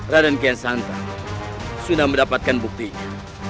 raden kian santa sudah mendapatkan buktinya